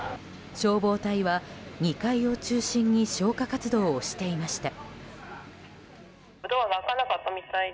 消防隊は、２階を中心に消火活動をしていました。